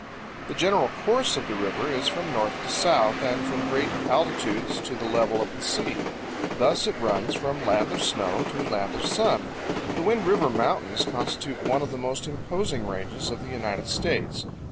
The general course of the river is from north to south and from great altitudes to the level of the sea. Thus it runs "from land of snow to land of sun." The Wind River Mountains constitute one of the most imposing ranges of the United States.